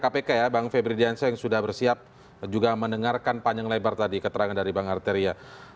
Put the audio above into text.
kpk ya bang febri diansyah yang sudah bersiap juga mendengarkan panjang lebar tadi keterangan dari bang arteria